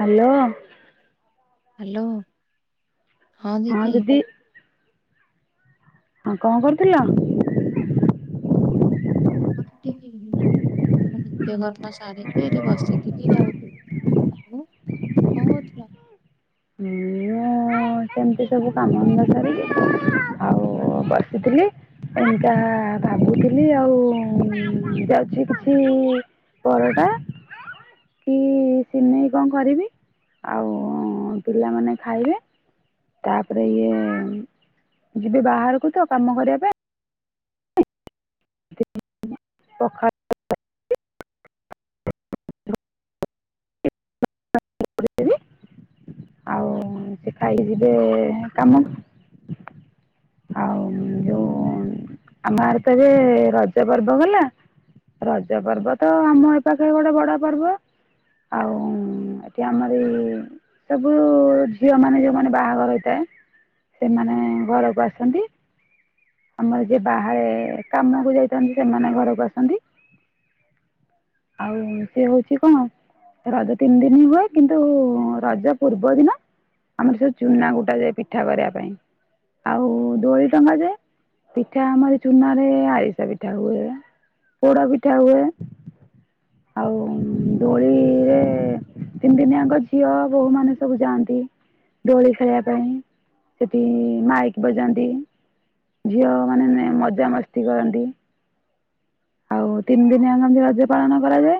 Hello. Hello. ହଁ ଦିଦି। ହଁ କଣ କରୁଥିଲ। ତ ନିତ୍ୟକର୍ମ ସାରିକି ଏଠି ବସିଥିଲି ଆଉ। ଆଉ ତମେ କଣ କରହୁଥିଲ। ହଁ ସେମିତି ସବୁ କାମଧନ୍ଦା ସାରିକି ଆଉ ବସିଥିଲି ଏମିତିଆ ଭାବୁଥିଲି ଆଉ ଯାଉଛି କିଛି ପରଟା କି ସିମେଇ କଣ କରିବି ଆଉ ପିଲାମାନେ ଖାଇବେ। ତାପରେ ଇଏ ଯିବେ ବାହାରକୁ ତ କାମ କରିବା ପାଇଁ। ପଖାଳ [unintelligible] ଆଉ ସେ ଖାଇକି ଯିବେ କାମକୁ। ଆଉ ଯୋଉ ଆମ ଆଡ଼େ ଏବେ ରଜ ପର୍ବ ଗଲା। ରଜ ପର୍ବ ତ ଆମ ଏ ପାଖେ ଗୋଟେ ବଡ ପର୍ବ। ଆଉ ଏଠି ଆମରଇ ସବୁ ଝିଅ ମାନେ ଯୋଉମାନେ ବାହାଘର ହେଇଥାଏ। ସେମାନେ ଘରକୁ ଆସନ୍ତି। ଆମର ଯିଏ ବାହାରେ କାମକୁ ଯାଇଥାନ୍ତି ସେମାନେ ଘରକୁ ଆସନ୍ତି। ଆଉ ସେ ହଉଛି କଣ। ରଜ ତିନି ଦିନି ହୁଏ କିନ୍ତୁ ରଜ ପୂର୍ବ ଦିନ ଆମର ସବୁ ଚୁନା କୁଟା ଯାଏ ପିଠା କରିବା ପାଇଁ। ଆଉ ଦୋଳି ଟଙ୍ଗା ଯାଏ ପିଠା ଆମର ଚୁନା ରେ ଆରିସା ପିଠା ହୁଏ। ପୋଡ଼ ପିଠା ହୁଏ ଆଉ ଦୋଳିରେ ତିନି ଦିନିଆଙ୍କ ଝିଅ ବୋହୂ ମାନ ସବୁ ଯାଆନ୍ତି ଦୋଳି ଖେଳିବା ପାଇଁ। ସେଠି ମାଇକି ବଜାନ୍ତି। ଝିଅ ମାନେ ମଜାମସ୍ତି କରନ୍ତି। ଆଉ ତିନି ଦିନି ରଜ ପାଳନ କରାଯାଏ।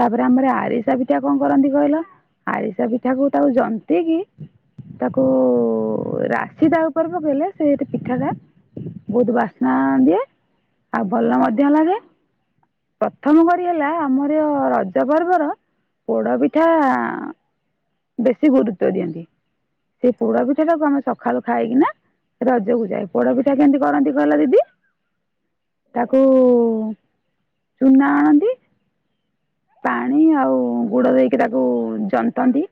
ତାପରେ ଆମର ଆରିସା ପିଠା କଣ କରନ୍ତି କହିଲ। ଆରିସା ପିଠା କୁ ତାକୁ ଯନ୍ତି କି। ତାକୁ ରାଶି ତା ଉପର ପକେଇଲେ ସେ ପିଠା ବହୁତ ବାସ୍ନା ଦିଏ ଆଉ ଭଲ ମଧ୍ୟ ଲାଗେ। ପ୍ରଥମ କରି ହେଲା ଆମର ରଜ ପର୍ବର ପୋଡ଼ ପିଠା। ବେଶୀ ଗୁରୁତ୍ଵ ଦିଅନ୍ତି। ସେଇ ପୋଡାପିଠାଟାକୁ ଆମେ ସକାଳୁ ଖାଇକିନା ରଜକୁ ଯାଏ ପୋଡ ପିଠା କେମିତି କରନ୍ତି କହିଲ ଦିଦି? ତାକୁ ଚୁନା ଆଣନ୍ତି ପାଣି ଆଉ ଗୁଡ ଦେଇକି ତାକୁ ଜନ୍ତନ୍ତି।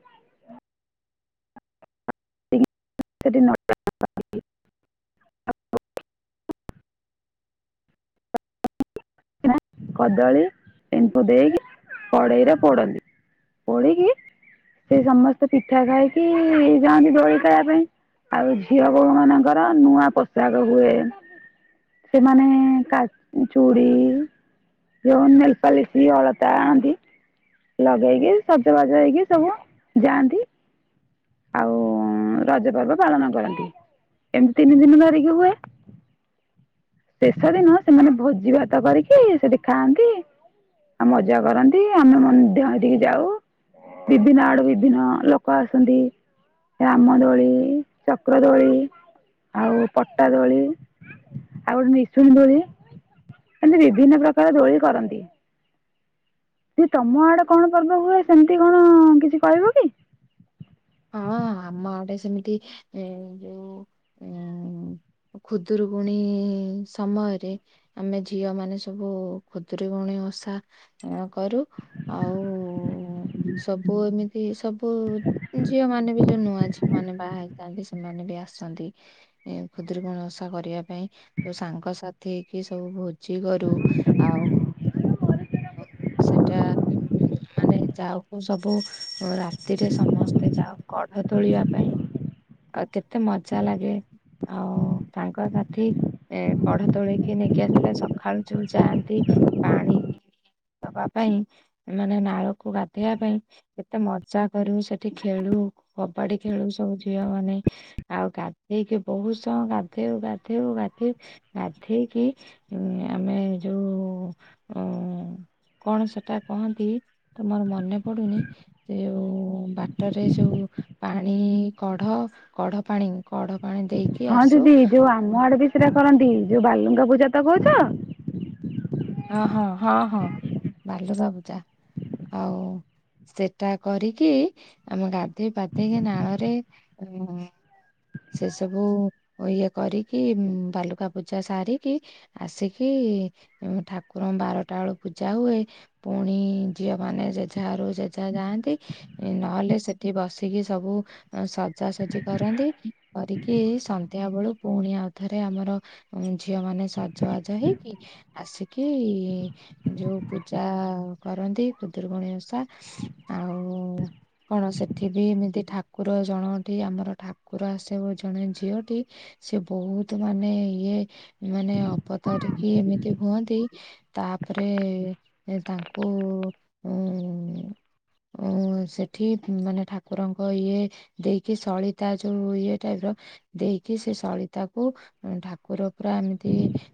[unintelligible] [unintelligible] କଦଳୀ [unintelligible] ଦେଇକି କଡେଇରେ ପୋଡ଼ନ୍ତି। ପୋଡିକି ସେ ସମସ୍ତେ ପିଠା ଖାଇକି ଯାଆନ୍ତି ଦୋଳି ଖେଳିବା ପାଇଁ ଆଉ ଝିଅ ବୋହୂ ମାନଙ୍କର ନୂଆ ପୋଷାକ ହୁଏ। ସେମାନେ କା ଚୁଡି ଯୋଉ ନେଲପାଲିଶ ଅଳତା ଆଣନ୍ତିି ଲଗେଇକି ସଜ ବାଜ ହେଇକି ସବୁ ଯାଆନ୍ତି ଆଉ ରଜ ପର୍ବ ପାଳନ କରନ୍ତି। ଏମିତି ତିନି ଦିନ ଧରିକି ହୁଏ ଶେଷ ଦିନ ସେମାନେ ଭୋଜି ଭାତ କରିକି ସେଠି ଖାଆନ୍ତି ଆଉ ମଜା କରନ୍ତି। ଆମେ ମଧ୍ୟ ହେଠିକି ଯାଉ। ବିଭିନ୍ନ ଆଡୁ ବିଭିନ୍ନ ଲୋକ ଆସନ୍ତି ରାମଦୋଳି, ଚକ୍ରଦୋଳି ଆଉ ପଟ୍ଟାଦୋଳି ଆଉ ନିଶୂନ ଦୋଳି, ଏମିତି ବିଭିନ୍ନ ପ୍ରକାର ଦୋଳି କରନ୍ତି। ଯେ ତମ ଆଡେ କଣ ପର୍ବ ହୁଏ ସେମିତି କଣ କିଛି କହିବ କି? ହଁ [inaudible] ଆମ ଆଡେ ସେମିତି ଯୋଉ ଉମ୍ ଖୁଦୁରୁକୁଣି ଏଇ ସମୟରେ ଆମେ ଝିଅ ମାନେ ସବୁ ଖୁଦୁରୁକୁଣୀ ଓଷା କରି ଚୁ। ଆଉ ସବୁ ଏମିତି ସବୁ ଝିଅ ମାନେ ବି ଯୋଉ ନୂଆ ଝିଅମାନେ ବାହାହେଇ ଥାନ୍ତି ସେମାନେ ବି ଆସନ୍ତି ଖୁଦୁରୁକୁଣୀ ଓଷା କରିବା ପାଇଁ ଯୋଉ ସାଙ୍ଗସାଥି ଏସବୁ ଭୋଜି କରୁ ଆଉ ସେଟା ମାନେ ଯାଉକୁ ସବୁ ରାତିରେ ସମ ସ୍ତେ ଯାଉ କଢ ତୋଳିବା ପାଇଁ ଆଉ କେତେ ମଜା ଲାଗେ ଆଉ ସାଙ୍ଗସାଥି ଏ କଢ ତୋଳିକି ନେଇକି ଆସିଲେ ସଖାଳୁ ଯୋଉ ଯାଆନ୍ତି ପାଣି ଦବା ପାଇଁ ମାନେ ନାଳକୁ ଗାଧେଇବା ପାଇଁ କେତେ ମଜା କରୁ ସେ ଠି ଖେଳୁ, କବାଡି ଖେଳୁ ସବୁ ଝିଅ ମାନେ। ଆଉ ଗାଧେଇକି ବହୁତ ସମୟ ଗାଧେ ଧେଇବୁ ଗାଧେଇବୁ ଗାଧେଇ ଗାଧେଇକି ଆମେ ଯୋଉ ଉମ୍ ହ [inaudible] କଣ ସେଟା କହନ୍ତି ତମର ମନେ ପଡୁନି ସେ ଯୋଉ ବା ଟରେ ଯୋଉ ପାଣି କଢ କଢପାଣି କଢ ପାଣି ଦେଇକି ହଁ ଆସୁ ଦିଦି ଯୋଉ ଆମ ହଁ ଆଡେ ବି ସେଟା କରନ୍ତି ଯୋଉ ବାଲୁଙ୍ଗା ପୂଜା ତ କହୁଛ? ହଁ ହଁ ହଁ ହଁ ବାଲୁକା ପୂଜା ଆଉ ସେଟା କରିକି ଆମେ ଗାଧେଇ ପାଧେଇକି ନାଳରେ ଉମ୍ ସେ ସବୁ ଇଏ କରିକି ବାଲୁକା ପୂଜା ସାରିକି ଆସିକି ଠାକୁରଙ୍କ ବାରଟା ବେଳୁ ପୂଜା ହୁଏ ପୁଣି ଝିଅ ମାନେ ଯେଝା ଘରକୁ ଯାଇକି ଯେଝା ଯାଆନ୍ତି। ନହେଲେ ସେଠି ବସିକି ସବୁ ସଜାସଜି କରନ୍ତି କରିକି ସନ୍ଧ୍ୟା ବେଳୁ ପୁଣି ଆଉଥରେ ଆମର ଝିଅ ମାନେ ସଜବାଜ ହେଇକି ଆସିକି ଯୋଉ ପୂଜା କରନ୍ତି ଖୁଦୁରୁକୁଣୀ ଓଷା ଆଉ କଣ ସେଠି ବିି ଏମିତି ଠାକୁର ଜଣକଠି ଆମର ଠାକୁର ଆସେ ଜଣେ ଝିଅଟି ସିଏ ବହୁତ ମାନେ ଇଏ ମାନେ ଅବତାରିକି ଏମିତି ହୁଅନ୍ତି ତାପରେ ତାଙ୍କୁ ଉମ୍ ଓ ସେଠି ମାନେ ଠାକୁରଙ୍କ ଇଏ ଦେଇକି ସଳିତା ଯୋଉ ଇଏ ଟାଇପର ଦେଇକି ସେ ସଳିତାକୁ ଠାକୁର ପୁରା ଏମିତି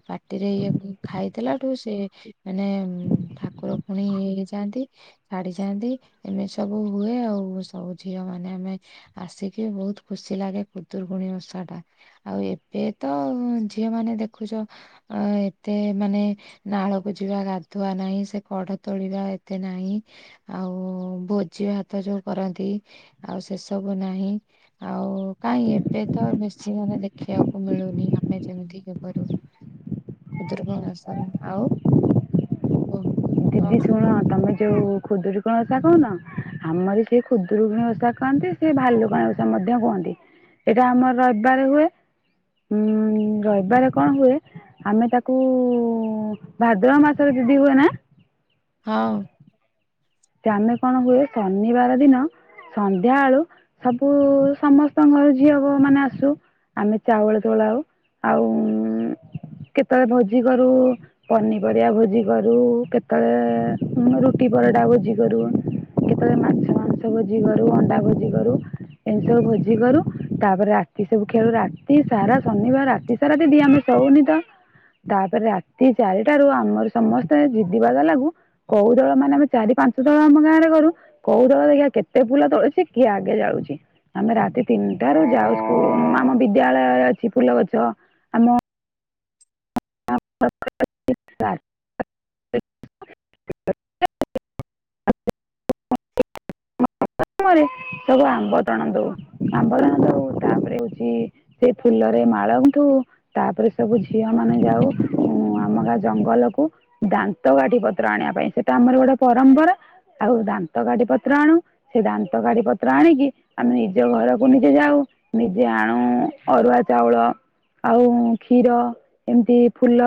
ପାଟିରେ ଇଏ ଖାଇଦେଲାଠୁ ସେ ମାନେ ଠାକୁର ପୁଣି ଇଏ ହେଇଯାଆନ୍ତି ଛାଡି ଯାଆନ୍ତି। ଏମିତି ସବୁ ହୁଏ ଆଉ ସବୁ ଝିଅ ମାନେ ଆମେ ଆସିକି ବହୁତ ଖୁସି ଲାଗେ। ଖୁଦୁରୁକୁଣୀ ଓଷାଟା ଆଉ ଏବେ ତ ଝିଅ ମାନେ ଦେଖୁଛ ଏତେ ଏମାନେ ନାଳକୁ ଯିବା ଗାଧୁଆ ନାହିଁ ସେ କଢ ତୋଳିବା ଏତେ ନାହିଁ ଆଉ। ଓଭୋଜି ଭାତ ଯୋଉ କରନ୍ତି ଆଉ ସେ ସବୁ ନାହିଁ ଆଉ କାଇଁ ଏବେ ତ ବେଶୀ ମାନେ ଦେଖିବାକୁ ମିଳୁନି ଆମେ ଯେମିତି କି କରୁ। ଖୁଦୁରୁୁକୁଣୀ ଓଷାନ ଆଉ ଓ ଦିଦି ଶୁଣ ତମେ ଯୋଉ ଖୁଦୁର ତୁମେ ଓଷା କହୁନ ଆମର ସେଏ ଖୁଦୁରୁକୁଣ ଓଷା କହନ୍ତି ସେ ଭାଲୁକଣୀ ଓଷା ମଧ୍ୟ କୁହନ୍ତି। ଏଇଟା ଆମର ରବିବାରାରେ ହୁଏ। ଉୁଁ ରହିବାର କଣ ହୁଏ ଆମେ ତାକୁ ଭାଦ୍ର ମାସରେ ଦିଦି ହୁଅ ନା। ହଁ। ଆମେ କଣ ହୁଏ ଶନିବାର ଦିନ ସନ୍ଧ୍ୟା ବେଳୁ ସବୁ ସମସ୍ତଙ୍କ ଘର ଝିଅ ମାନେ ଆସୁ। ଆମେ ଚାଉଳ ଦୋଳାଉ ଆଉ। କେତେବେଳେ ଭୋଜି କରୁ ପନିପରିବା ଭୋଜି କରୁ କେତେବେଳେ ରୁଟି ପରଟା ଭୋଜି କରୁ କେତେବେଳେ ମାଛ ମାଂସ ଭୋଜି କରୁ ଅଣ୍ଡା ଭୋଜି କରୁ। ଏମିତି ସବୁ ଭୋଜି କରୁ ତାପରେ ରାତି ସବୁ ଖେଳୁ ରାତି ସାରା ଶନିବାର ରାତି ସାରା ଦିଦି ଆମେ ହଉ ନିତ ତାପରେ ରାତି ଚାରିଟାରୁ ଆମର ସମସ୍ତେ ଜିଦିବା ଲାଗୁ କଉ ଦଳ ମାନେ ଆମେ ଚାରି ପାଞ୍ଚ ତଳ ଆମ ଗାଁରେ କରୁ କୋଉ ଦଳ ଦେଖିବା କେତେ ଫୁଲ ତୋଳୁଛି କିଏ ଆଗେ ଜାଳୁଛି ଆମେ ରାତି ତିନିଟ ସେଠାରୁ ଯାଉ ସ୍କୁ ଆମ ବିଦ୍ୟାଳୟରେ ଅଛି ଫୁଲ ଗଛ ଆମ [unintelligible] [unintelligible] ରେ ସବୁ ଆମ୍ବ ତଣ ଦଉ ଆମ୍ବ ତଣ ଦଉ ତାପରେ ହଉଛି ସେ ଫୁଲ ମାଳଠୁ ତାପରେ ସବୁ ଝିଅ ମା ଆମେ ଯାଉ ଉ ଆମ ଗା ଜଙ୍ଗଲକୁ ଦାନ୍ତ କାଠି ପତ୍ର ଆଣିବା ପାଇଁ ସେଟା ଆମର ଗୋଟେ ପର ନମ୍ବର ଆଉ ଦାନ୍ତ କାଢି ପତ୍ର ଆଣୁ ସେ ଦାନ୍ତ କାଢି ପତ୍ର ଆଣିକି ଆମେ ନିଜ ଘରକୁ ନିଜେ ଯାଉ। ନିଜେ ଆଣୁ ଅରୁଆ ଚାଉଳ ଆଉ କ୍ଷୀର ଏମିତି ଫୁଲ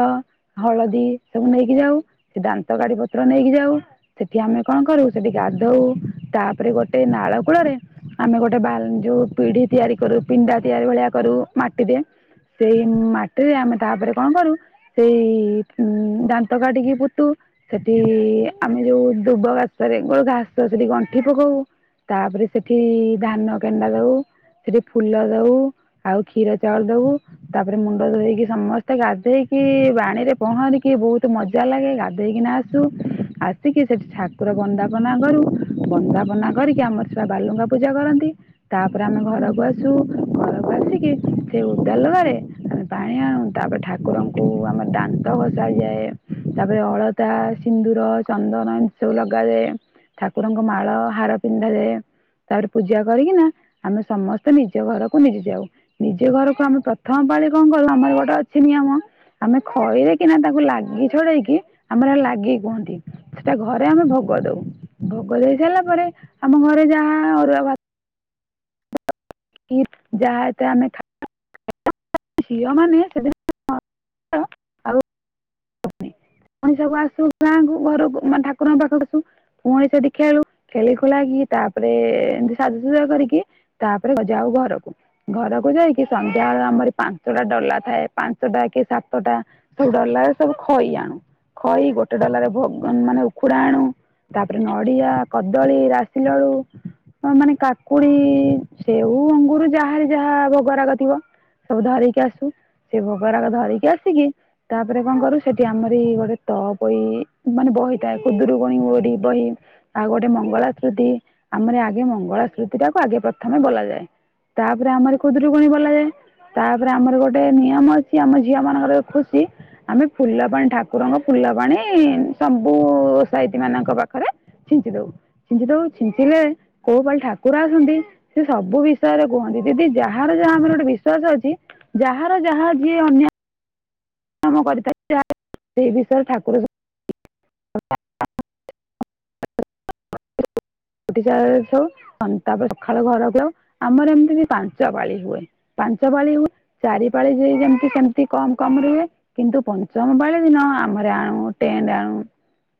ହଳଦୀ ସବୁ ନେଇକି ଯାଉ ସେ ଦାନ୍ତ କାଢଡି ପତ୍ର ନେଇକି ଯାଉ ସେଠି ଆମେ କଣ କରୁ ସେଠି ଗାଧଉ ତାପରେ ଗୋଟେ ନାଳ କୂଳରେ ଆମେ ଗୋଟେ ବାଲ ଯୋଉ ପିଢି ତିଆରି କରୁ ପିଣ୍ଡା ତିଆରି ଭଳିଆ କରୁ ମାଟି ଦେ ସେଇ ମାଟିରେ ଆମେ ତାପରେ କଣ କରୁ ସେଇ ଦାନ୍ତ କାଟିକି ପୋତୁ ସେଠି ଆମେ ଯୋଉ ଦୁବ ଘାସ ରେ ଗୋ ଘାସ ସେଠି ଗଣ୍ଠି ପକଉ। ତାପରେ ସେଠି ଧାନ କେଣ୍ଡା ଦଉ ସେଠି ଫୁଲ ଦବ ଆଉ କ୍ଷୀର ଚାଉଳ ଦବ ତାପରେ ମୁଣ୍ଡ ଧଇକି ସମସ୍ତେ ଗାଧେଇକି ବାଣୀରେ ପହଁରିକି ବହୁତ ମଜା ଲାଗେ ଗାଧେଇକି ନାଚୁ ଆସିକି ସେଠି ଠାକୁର ବନ୍ଦାପନା କରୁ ବନ୍ଦାପନା କରିକି ଆମର ଛଆ ବାଲୁଙ୍କା ପୂଜା କରନ୍ତି। ତାପରେ ଆମେ ଘରକୁ ଆସୁ ଘରକୁ ଆସିକି ସେ ଉଦା ଲଗାରେ ଆମେ ପାଣି ପାଣି ଆଣୁ ତାପରେ ଠାକୁରଙ୍କୁ ଆମର ଦାନ୍ତ ଭସାଯାଏ। ତାପରେ ଅଳତା ସିନ୍ଦୁର ଚନ୍ଦନ ଏମିତି ସବୁ ଲଗାାଯାଏ। ଠାକୁରଙ୍କ ମାଳ ହାର ପିନ୍ଧା ଯାଏ। ତାପରେ ପୂଜା କରିକିନା ଆମେ ସମସ୍ତେ ନିଜ ଘରକୁ ନିଜେ ଯାଉ ନିଜ ଘରକୁ ଆମେ ପ୍ରଥମ ମିଟର କଣ କରଲ ଆର ଗୋଟ ଅଛି ନିୟମ ଆମେ ଖଇରେ କିନା ତାକୁ ଲାଗି ଛଡେଇକି ଆମର ଲାଗି କୁହନ୍ତି ସେଟା ଘରେ ଆମେ ଭ ଭୋଗ ଦଉ ଭୋଗ ଦେଇ ସାରିଲା ପରେ ଆମ ଘରେ ଯାହା ଅରୁଆ ଭ କି ଯାହା ଆମେ ଖ ଝିଅମାନୋନ ସେଦିନ ଆ [unintelligible] ପଣି ସବୁ ଆସୁ ଗାଁକୁ ଘରକୁାନେ ଠାକୁରଙ୍କ ପାଖକୁ ଆସୁ ପୁଣି ସେଠି ଖେଳୁ ଖେଳି ଖୋଳା କି। ତାପରେ ଏମତି ସାଜାସଜୁରା କରିକି ତାପରେ ଯାଉ ଘରକୁ ଘରକୁ ଯାଇକି ସନ୍ଧ୍ୟା ଆମର। ପାଞ୍ଚଟା ଡଲା ଥାଏ ପାଞ୍ଚଟା କି ସାତଟା ସବୁ ଡଲା ସବୁ ଖଇ ଆଣୁ। ଖଇ ଗୋଟେ ଡଲାରେ ଭ ମାନେ ଉଖୁଡା ଆଣୁ। ତାପରେ ନଡିଆ କଦଳୀ ରାଶି ଲଡୁ ମାନେ କାକୁଡି ସେଓ। ଅଙ୍ଗୁର ଯାହାର ଯାହା ଭୋଗରାଗ ଥିବ ସବୁ ଧରିକି ଆସୁ ସେ ଭୋଗରାକ ଧରିକି ଆସିକି ତାପରେ କଣ କରୁ ସେଠି ଆମରି ଗୋଟେ ତ ବହି ମାନେ ବହିଥାଏ ଖୁଦରୁ କଣ ଓଡି ବହି ଆଉ ଗୋଟେ ମଙ୍ଗଳା ସ୍ୁତି ଆମ ଆଗେ ମଙ୍ଗଳା ସ୍ମୁତି ଟାକୁ ଆଗେ ପକରିଥାନ୍ତ ବୋଲା ଯାଏ ତାପରେ ଆମର ଖୁଦରୁ ଗୁଣ ବୋ ଯାଏ। ତାପରେ ଆମର ଗୋଟେ ନିୟମ ଅଛି ଆମ ଝିଅ ମାନଙ୍କର ଖୁସି ଆମେ ଫୁଲ ପାଣି ଠାକୁରଙ୍କ ଫୁଲ ପାଣି ସବୁ ସାଇତି ମାନଙ୍କ ପାଖରେ ଛିଞ୍ଚି ଦଉ ଛିଞ୍ଚି ଦଉ ଛିଞ୍ଚିଲେ କୋଉ ପାଳି ଠାକୁର ଆସନ୍ତି ସେ ସବୁ ବିଷୟରେ କୁହନ୍ତିି। ଯଦି ଯାହାର ଯାହା ଆମର ଗୋଟେ ବିଶ୍ଵାସ ଅଛି ଯାହାର ଯାହା ଯିଏ ଅନ୍ୟା [unintelligible] [unintelligible] ଠ ହଉ ସନ୍ତାପ ସକାଳୁ ଘରକୁ ଯାଉ ଆମର ଏମିତି ବି ପାଞ୍ଚ ବାଳି ହୁଏ। ପାଞ୍ଚ ପାଳି ହ ଚାରି ପାଳି ଯ ଯେମତି ସେମତି କମ କମରେ ରୁହେ କିନ୍ତୁ ପଞ୍ଚମ ପାଳି ଦିନ। ଆମର ଆଣୁ ଟେଣ୍ଟ ଆଣୁ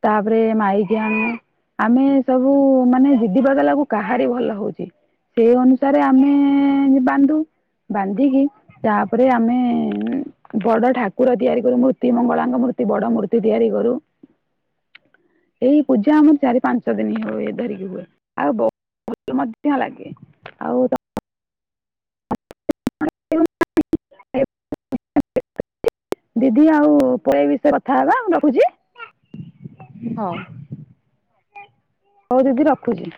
ତାପରେ ମାଇକି ଆଣୁ। ଆମେ ସବୁ ମାନେ ଯିଦିବା ଗଲାକୁ କାହାରି ଭଲ ହଉଛି। ସେଇ ଅନୁସାରେ ଆମେ ବାନ୍ଧୁ ବାନ୍ଧିକି ତାପରେ ଆମେ ବଡ ଠାକୁର ତିଆରି କରୁ ମୂର୍ତ୍ତି ମଙ୍ଗଳାଙ୍କ ମୂର୍ତ୍ତି ତି ବଡ଼ ମୂର୍ତି ତିଆରି କରରୁ ଏଇ ପୂଜା ଆମର ଚାରି ପାଞ୍ଚ ଦିନ ହ ଏ ଧରିକି ହୁଏ ଆଉ ଭଲ ମଧ୍ୟ ଲାଗେ ଆଉ ତ। [unintelligible] ଦିଦି ଆଉ ପେଇ ବିଷୟରେ କଥା ହେବା ମୁ ରଖୁଛି ହଉ। [inaudible] ହଉ ଦିଦି ରଖୁଛି।